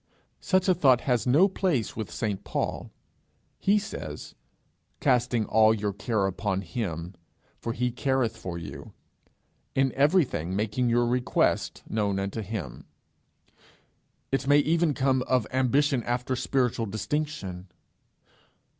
Such a thought has no place with St. Paul; he says, 'Casting all your care upon him, for he careth for you;' 'In everything making your request known unto him.' It may even come of ambition after spiritual distinction.